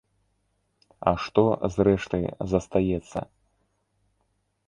А што, зрэшты, застаецца?